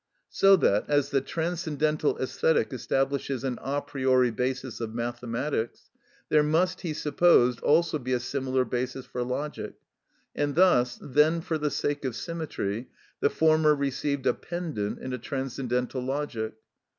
So that as the Transcendental Æsthetic establishes an a priori basis of mathematics, there must, he supposed, also be a similar basis for logic; and thus, then for the sake of symmetry, the former received a pendant in a Transcendental Logic.